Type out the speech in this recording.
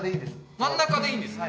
真ん中でいいんですね？